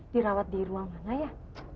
dirawat di ruang mana ya